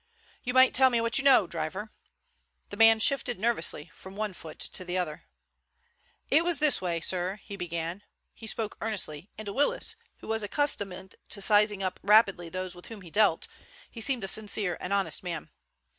"You might tell me what you know, driver." The man shifted nervously from one foot to the other. "It was this way, sir," he began. He spoke earnestly, and to Willis, who was accustomed to sizing up rapidly those with whom he dealt, he seemed a sincere and honest man.